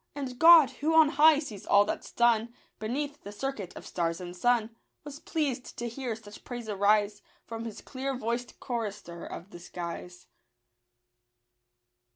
And God, who on high sees all that's done Beneath the circuit of stars and sun, Was pleased to hear such praise arise From his clear voiced chorister of the skies.